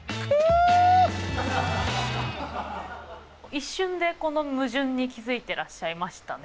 一瞬でこの矛盾に気付いてらっしゃいましたね？